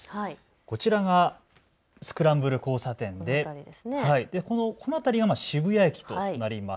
こちらがスクランブル交差点で、この辺りが渋谷駅となります。